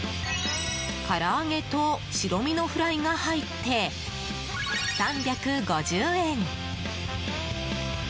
からあげと白身のフライが入って３５０円。